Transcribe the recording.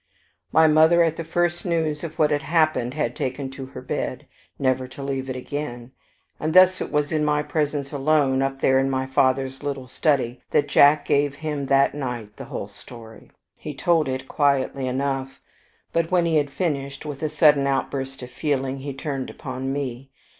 My mother at the first news of what had happened had taken to her bed, never to leave it again; and thus it was in my presence alone, up there in my father's little study, that Jack gave him that night the whole story. He told it quietly enough; but when he had finished, with a sudden outburst of feeling he turned upon me.